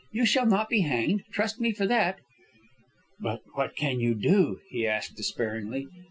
You shall not be hanged. Trust me for that." "But what can you do?" he asked, despairingly.